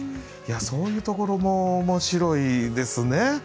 そういうところも面白いですね。